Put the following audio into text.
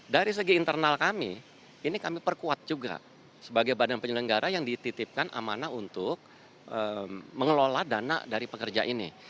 dari segi internal kami ini kami perkuat juga sebagai badan penyelenggara yang dititipkan amanah untuk mengelola dana dari pekerja ini